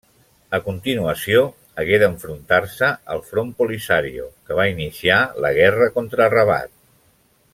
A continuació hagué d'enfrontar-se al Front Polisario, que va iniciar la guerra contra Rabat.